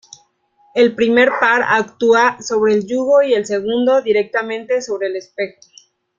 El primer par actúa sobre el yugo y el segundo directamente sobre el espejo.